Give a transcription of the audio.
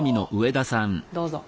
どうぞ。